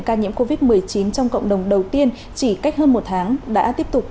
ca nhiễm covid một mươi chín trong cộng đồng đầu tiên chỉ cách hơn một tháng đã tiếp tục